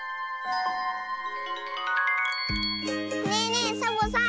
ねえねえサボさん